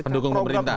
pendukung pemerintah ya